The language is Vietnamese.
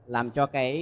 làm cho cái